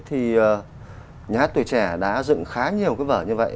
thì nhà hát tuổi trẻ đã dựng khá nhiều cái vở như vậy